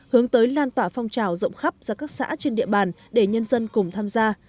hướng tới lan tỏa phong trào rộng khắp ra các xã trên địa bàn để nhân dân cùng tham gia